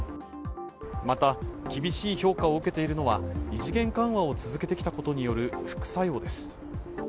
また、厳しい評価を受けているのは異次元緩和を続けてきたことによる副作用です。